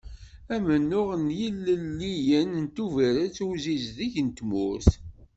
Amennuɣ n yilelliyen n Tubiret i usizdeg n tmurt.